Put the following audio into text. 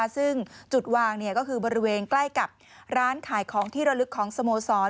ซึ่งจุดวางก็คือบริเวณใกล้กับร้านขายของที่ระลึกของสโมสร